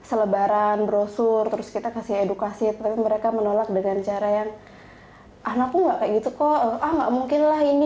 edukasi mereka menolak dengan cara yang anakku enggak kayak gitu kok ah nggak mungkin lah ini